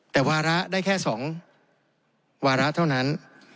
แต่วาระได้แค่๒วาระเท่านั้น